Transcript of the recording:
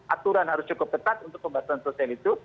aturan harus cukup ketat untuk pembatasan sosial itu